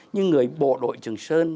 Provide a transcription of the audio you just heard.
nhưng người bộ đội trường sơn